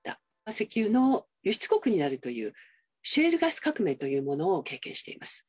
石油の輸出国になるという、シェールガス革命というものを経験しています。